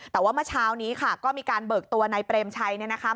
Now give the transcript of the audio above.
แต่ว่าเมื่อเช้านี้ค่ะก็มีการเบิกตัวนายเปรมชัยเนี่ยนะคะ